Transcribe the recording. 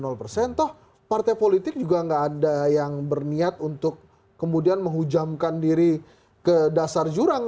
toh partai politik juga nggak ada yang berniat untuk kemudian menghujamkan diri ke dasar jurang